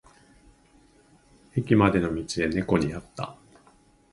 駅までの道で猫に出会った。